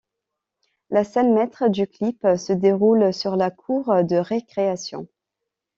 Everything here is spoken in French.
La scène maître du clip se déroule sur la cour de récréation.